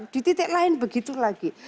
di titik lain begitu lagi